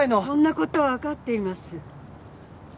そんな事はわかっています。